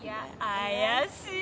怪しい。